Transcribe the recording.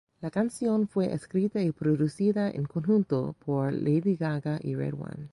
La canción fue escrita y producida en conjunto por Lady Gaga y RedOne.